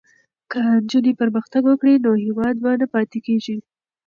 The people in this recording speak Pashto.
که نجونې پرمختګ وکړي نو هیواد به نه پاتې کېږي.